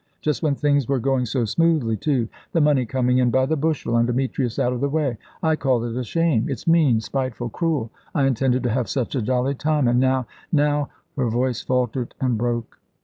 Just when things were going so smoothly, too; the money coming in by the bushel, and Demetrius out of the way. I call it a shame; it's mean, spiteful, cruel. I intended to have such a jolly time, and now now " Her voice faltered and broke.